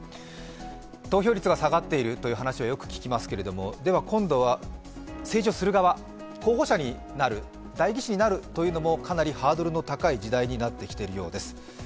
投票率が下がっているという話はよく聞きますけれども今度は政治をする側、候補者になる代議士になるというのもかなりハードルの高い時代になってきているようです。